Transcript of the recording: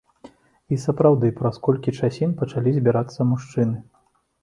І сапраўды, праз колькі часін пачалі збірацца мужчыны.